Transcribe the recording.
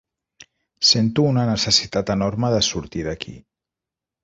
Sento una necessitat enorme de sortir d'aquí.